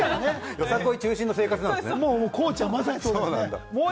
よさこい中心の生活なんですね。